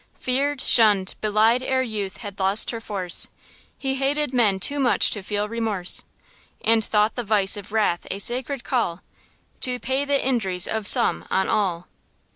Feared, shunned, belied ere youth had lost her force, He hated men too much to feel remorse, And thought the vice of wrath a sacred call, To pay the injuries of some on all.